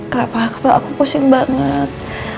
kenapa aku pusing banget